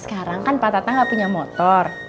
sekarang kan pak tata gak punya motor